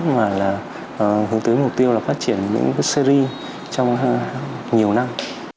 mà là hướng tới mục tiêu là phát triển những series trong nhiều năm